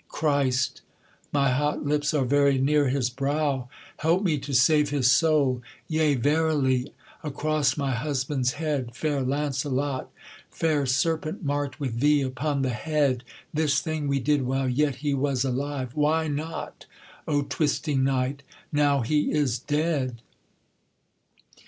'Christ! my hot lips are very near his brow, Help me to save his soul! Yea, verily, Across my husband's head, fair Launcelot! Fair serpent mark'd with V upon the head! This thing we did while yet he was alive, Why not, O twisting knight, now he is dead?